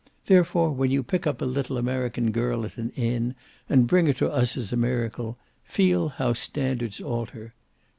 Therefore when you pick up a little American girl at an inn and bring her to us as a miracle, feel how standards alter.